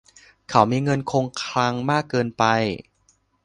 เขามีเงินคงคลังมากเกินไป